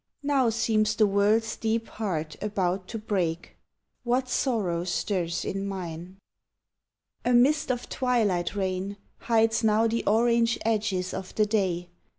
Now seems the world's deep heart About to break. What sorrow stirs in mine*? 44 AU'TUMN A mist of twilight rain Hides now the orange edges of the day.